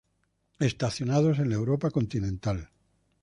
Estacionados en la Europa continental.